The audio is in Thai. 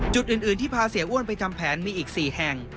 จุดอื่นที่พาเสียอ้วนไปทำแผนมีอีก๔แห่ง